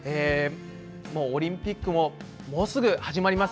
オリンピックももうすぐ始まります。